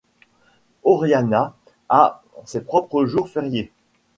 Orania a ses propres jours fériés.